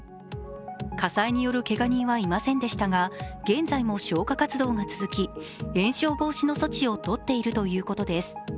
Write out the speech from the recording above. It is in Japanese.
火災によるけが人はいませんでしたが現在も消火活動が続き、延焼防止の措置を取っているということです。